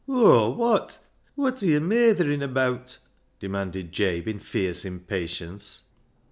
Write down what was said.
" Whoa ? Wot ? Wot are yo' meytherin' abaat?" demanded Jabe in fierce impatience.